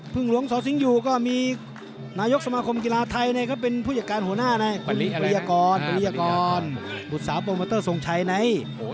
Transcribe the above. พึ่งหลวงสสิงหยูก็มีนายกสมคมกีฬาไทยเป็นผู้จัดการหัวหน้าปริยากรบุษาโปรเมอเตอร์สงชัยน่ะไง